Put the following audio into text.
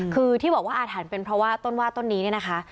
คือที่บอกว่าอาถรรพ์เป็นเพราะว่าต้นว่าต้นนี้เนี่ยนะคะ